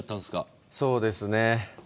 そうですね。